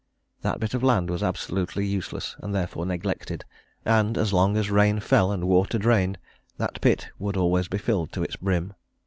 That bit of land was absolutely useless and therefore neglected, and as long as rain fell and water drained, that pit would always be filled to its brim.